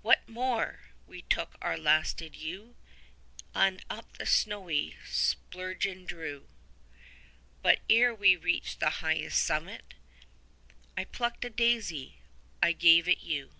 What more? we took our last adieu, 85 And up the snowy Splugen drew, But ere we reached the highest summit I plucked a daisy, I gave it you.